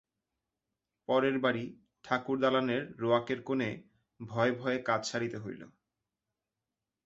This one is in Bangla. পরের বাড়ি, ঠাকুর-দালানের রোয়াকের কোণে ভয়ে ভয়ে কাজ সারিতে হইল।